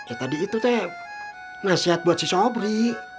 eh tadi itu teh nasihat buat si sobri